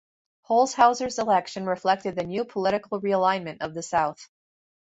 Holshouser's election reflected the new political realignment of the South.